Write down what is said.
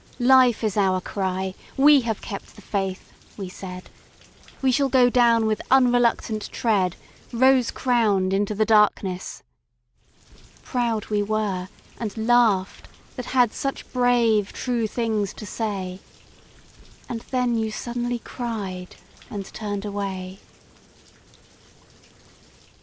Life is our cry. We have kept the faith!" we said; "We shall go down with unreluctant tread Rose crowned into the darkness!" ... Proud we were, And laughed, that had such brave true things to say. And then you suddenly cried, and turned away.